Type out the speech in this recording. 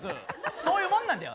そういうもんなんだよ。